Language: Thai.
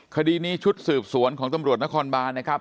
คดีนี้ชุดสืบสวนของตำรวจนครบานนะครับ